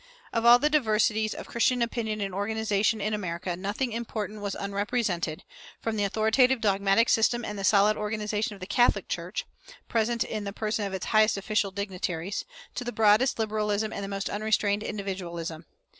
Of all the diversities of Christian opinion and organization in America nothing important was unrepresented, from the authoritative dogmatic system and the solid organization of the Catholic Church (present in the person of its highest official dignitaries) to the broadest liberalism and the most unrestrained individualism.